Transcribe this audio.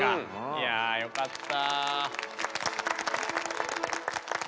いやよかった。